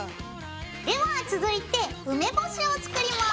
では続いて梅干しを作ります。